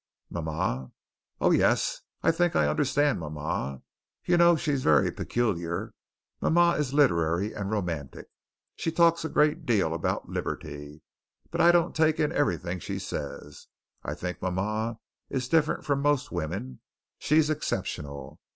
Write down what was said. "Mama? Oh, yes, I think I understand mama. You know she's very peculiar. Mama is literary and romantic. She talks a great deal about liberty, but I don't take in everything she says. I think mama is different from most women she's exceptional.